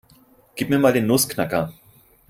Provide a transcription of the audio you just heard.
Gib mir mal den Nussknacker.